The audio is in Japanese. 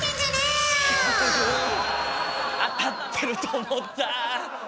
当たってると思った！